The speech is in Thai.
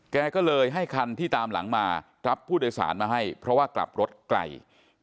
แกก็เลยให้คันที่ตามหลังมารับผู้โดยสารมาให้เพราะว่ากลับรถไกล